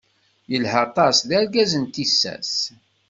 Yelha aṭas d argaz n tissas.